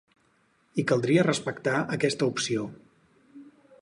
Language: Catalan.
I caldria respectar aquesta opció.